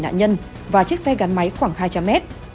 có thể nạn nhân và chiếc xe gắn máy khoảng hai trăm linh m